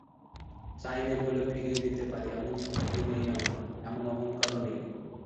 চাই নে বলে ফিরিয়ে দিতে পারি এমন শক্তি নেই আমার, এমন অহংকারও নেই।